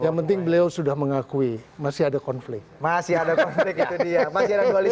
pendapat pandangan kita itu biasa apalagi masih ada ulama ulama besar yang bisa dirujukan